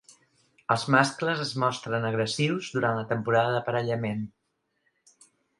Els mascles es mostren agressius durant la temporada d'aparellament.